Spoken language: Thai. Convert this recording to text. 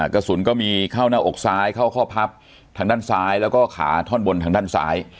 กระสุนก็มีเข้าหน้าอกซ้ายเข้าข้อพับทางด้านซ้ายแล้วก็ขาท่อนบนทางด้านซ้าย